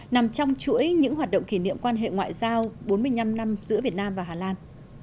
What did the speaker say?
nằm trong chuỗi những hoạt động kỷ niệm quan hệ ngoại giao bốn mươi năm năm giữa việt nam và hà lan